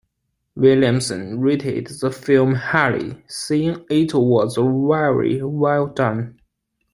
Williamson rated the film highly saying it was "very well done".